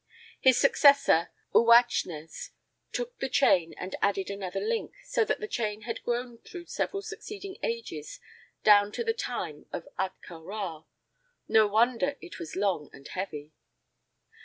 His successor, Uătch nēs, took the chain and added another link, and so the chain had grown through succeeding ages down to the time of Ahtka Rā. No wonder it was long and heavy!